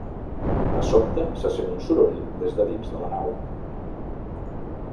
De sobte, se sent un soroll des de dins de la nau.